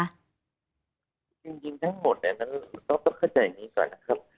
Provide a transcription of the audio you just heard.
จริงทั้งหมดนั้นต้องเข้าใจอย่างนี้ก่อนนะครับ